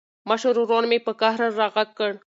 مشر ورور مې په قهر راغږ کړ.